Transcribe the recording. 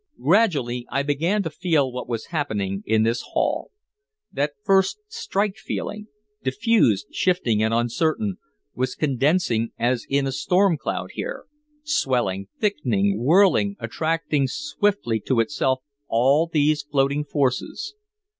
Gradually I began to feel what was happening in this hall. That first "strike feeling" diffused, shifting and uncertain was condensing as in a storm cloud here, swelling, thickening, whirling, attracting swiftly to itself all these floating forces.